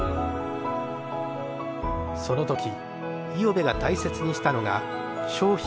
その時五百部が大切にしたのが商品の価格。